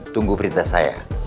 tunggu perintah saya